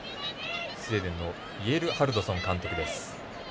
スウェーデンのイェルハルドション監督。